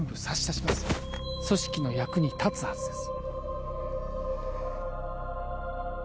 組織の役に立つはずです